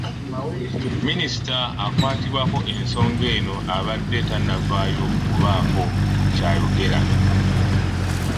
Minisita akwatibwako ensonga eno abadde tannavaayo kubaako ky'ayogera.